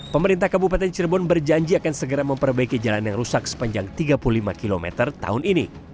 pemerintah kabupaten cirebon berjanji akan segera memperbaiki jalan yang rusak sepanjang tiga puluh lima km tahun ini